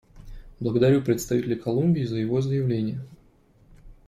Благодарю представителя Колумбии за его заявление.